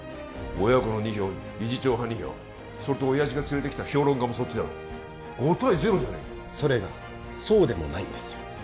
親子の２票に理事長派２票それと親父が連れてきた評論家もそっちだろ５対０じゃねえかそれがそうでもないんですよ